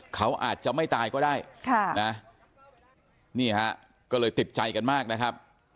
เขาอาจจะไม่ตายก็ได้ค่ะนะนี่ฮะก็เลยติดใจกันมากนะครับ